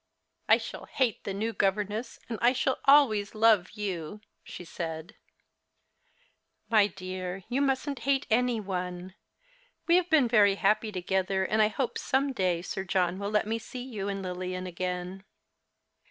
"I shall hate the new governess, and I shall always love you," she said. " My dear, you mustn't hate any one. We have been very happy together, and I hope some day Sir John will let me see you and Lilian again."